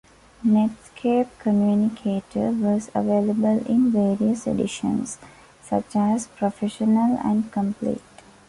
Netscape Communicator was available in various editions, such as "Professional" and "Complete".